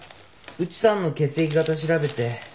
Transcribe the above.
内さんの血液型調べて。